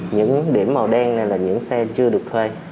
những điểm màu đen này là những xe chưa được thuê